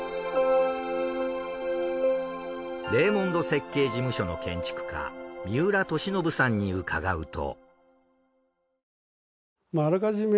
レーモンド設計事務所の建築家三浦敏伸さんに伺うと。